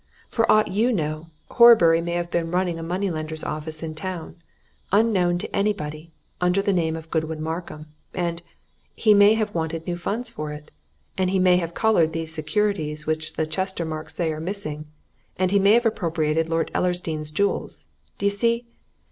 For aught you know, Horbury may have been running a money lender's office in town, unknown to anybody, under the name of Godwin Markham. And he may have wanted new funds for it, and he may have collared those securities which the Chestermarkes say are missing, and he may have appropriated Lord Ellersdeane's jewels d'ye see?